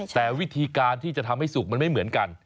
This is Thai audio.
แต่วิธีการที่จะทำให้สุกมันไม่เหมือนกัน